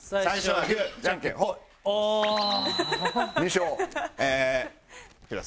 はい。